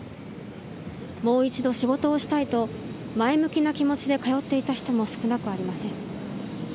もう一度仕事をしたいと前向きな気持ちで通っていた人も少なくありません。